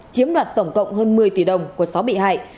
chiếm đoạt tổng cộng hơn một mươi tỷ đồng của sáu bị hại